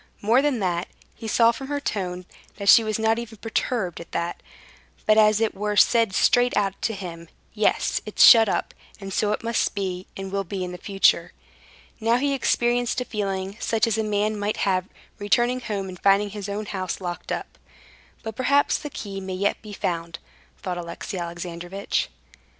More than that, he saw from her tone that she was not even perturbed at that, but as it were said straight out to him: "Yes, it's shut up, and so it must be, and will be in future." Now he experienced a feeling such as a man might have, returning home and finding his own house locked up. "But perhaps the key may yet be found," thought Alexey Alexandrovitch.